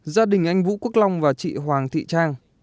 gia đình anh vũ quốc long và chị hoàng thị trang